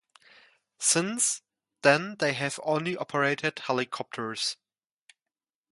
Since then they have only operated helicopters.